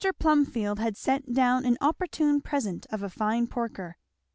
Plumfield had sent down an opportune present of a fine porker.